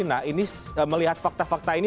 nah ini melihat fakta fakta ini